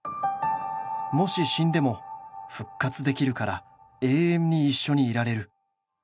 「もし死んでも復活できるから永遠に一緒にいられる」